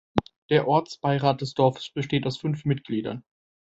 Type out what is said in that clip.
Der Ortsbeirat des Dorfs besteht aus fünf Mitgliedern.